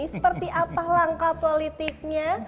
seperti apa langkah politiknya